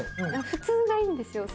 普通がいいんですよ。